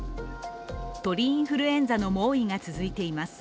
鳥インフルエンザの猛威が続いています。